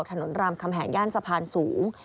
ถนนรำคำแห่งย่านสะพานสูง